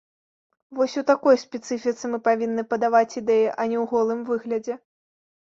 Вось у такой спецыфіцы мы павінны падаваць ідэі, а не ў голым выглядзе.